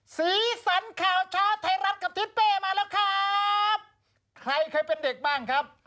สีสันข่าวช้าไทยรัฐกับทิศเป้มาแล้วครับ